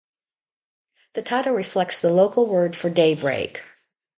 The title reflects the local word for daybreak.